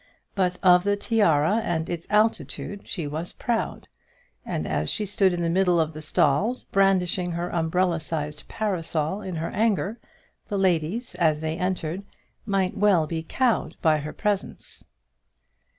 But of that tiara and its altitude she was proud, and as she stood in the midst of the stalls, brandishing her umbrella sized parasol in her anger, the ladies, as they entered, might well be cowed by her presence.